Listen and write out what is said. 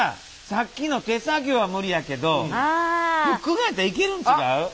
さっきの手作業は無理やけどフックガンやったらいけるん違う？